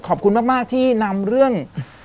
ขอบคุณมากที่นำเรื่อง